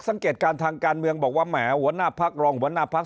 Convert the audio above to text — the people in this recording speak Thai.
สังเกตการณ์ทางการเมืองบอกว่าแหมหัวหน้าพักรองหัวหน้าพัก